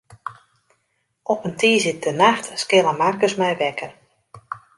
Op in tiisdeitenacht skille Markus my wekker.